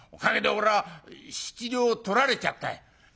「私は２２両取られちゃったい」。